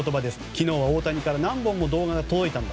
昨日は大谷から何本も動画が届いたんだ。